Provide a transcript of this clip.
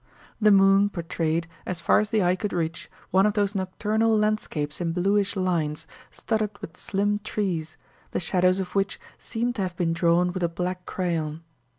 The moon portrayed, as far as the eye could reach, one of those nocturnal landscapes in bluish lines, studded with slim trees, the shadows of which seemed to have been drawn with a black crayon.